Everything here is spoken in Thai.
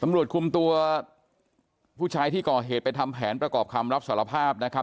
ตำรวจคุมตัวผู้ชายที่ก่อเหตุไปทำแผนประกอบคำรับสารภาพนะครับ